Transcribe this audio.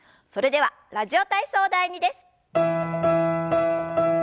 それでは「ラジオ体操第２」です。